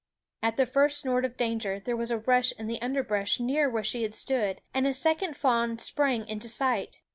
At the first snort of danger there was a rush in the underbrush near where she had stood, and a second fawn sprang into sight.